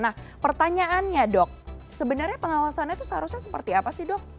nah pertanyaannya dok sebenarnya pengawasannya itu seharusnya seperti apa sih dok